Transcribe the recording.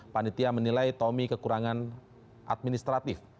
panitia menilai tommy kekurangan administratif